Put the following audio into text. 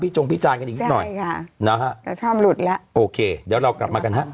จงพิจารณ์กันอีกนิดหน่อยใช่ค่ะนะฮะกระท่อมหลุดแล้วโอเคเดี๋ยวเรากลับมากันฮะ